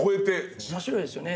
面白いですよね。